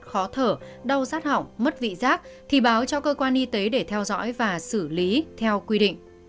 khó thở đau rát hỏng mất vị giác thì báo cho cơ quan y tế để theo dõi và xử lý theo quy định